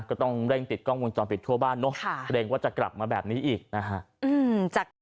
ก็ต้องเร่งติดกล้องวงจรปิดทั่วบ้านเนอะเกรงว่าจะกลับมาแบบนี้อีกนะฮะ